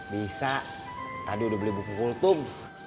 bisa tadi udah beli buku kultum